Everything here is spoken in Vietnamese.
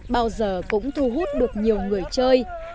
bao giờ cũng thu hút được nhiều người chơi